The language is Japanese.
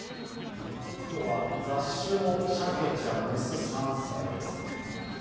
今日は雑種のサケちゃん雌３歳です。